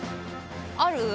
ある？